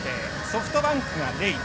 ソフトバンクがレイ。